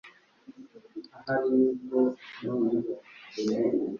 gusuzuma raporo z umutungo no gutanga